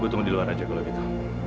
butuh tunggu di luar aja kalau gitu